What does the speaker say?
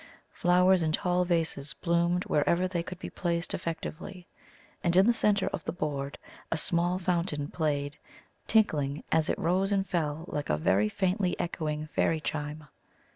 Flowers in tall vases bloomed wherever they could be placed effectively; and in the centre of the board a small fountain played, tinkling as it rose and fell like a very faintly echoing fairy chime.